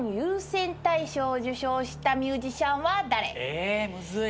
えむずい。